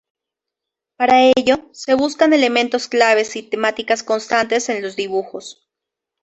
Para ello, se buscan elementos claves y temáticas constantes en los dibujos.